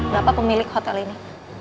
bapak pemilik hotel ini